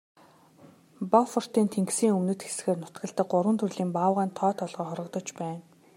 Бофортын тэнгисийн өмнөд хэсгээр нутагладаг гурван төрлийн баавгайн тоо толгой хорогдож байна.